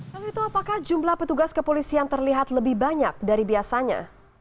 lalu itu apakah jumlah petugas kepolisian terlihat lebih banyak dari biasanya